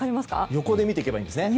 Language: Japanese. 横で見ていけばいいんですね。